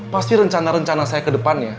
pasti rencana rencana saya ke depannya